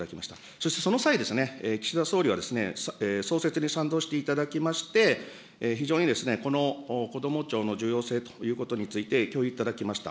そしてその際、岸田総理は、創設に賛同していただきまして、非常にこのこども庁の重要性ということについて協議いただきました。